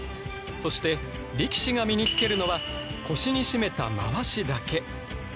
そして力士が身に着けるのは腰に締めたまわしだけ。